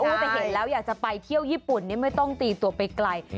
แต่เห็นแล้วอยากจะไปเที่ยวญี่ปุ่นไม่ต้องตีตัวไปไกล